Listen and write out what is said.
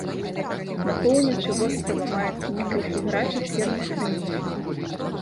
На поўначы вострава маецца некалькі гарачых серных крыніц.